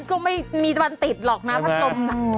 ก็ไม่มีตะวันติดหรอกนะพัดลม